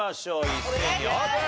一斉にオープン。